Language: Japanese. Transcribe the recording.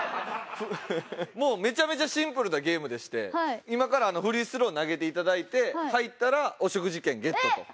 もうめちゃめちゃシンプルなゲームでして今からフリースロー投げていただいて入ったらお食事券ゲットと。